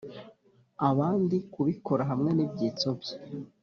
abandi kubikora hamwe n ibyitso bye